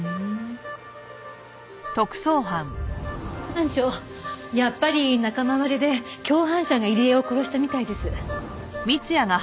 班長やっぱり仲間割れで共犯者が入江を殺したみたいです。